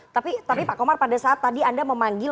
tapi pak komar pada saat tadi anda memanggil